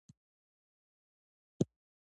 نوښت د پرمختګ مهم لامل دی.